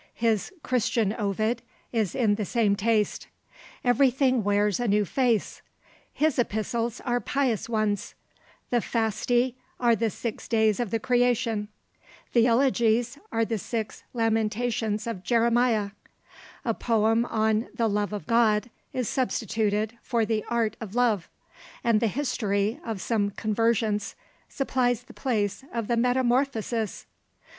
His Christian Ovid, is in the same taste; everything wears a new face. His Epistles are pious ones; the Fasti are the six days of the Creation; the Elegies are the six Lamentations of Jeremiah; a poem on the Love of God is substituted for the Art of Love; and the history of some Conversions supplies the place of the Metamorphoses!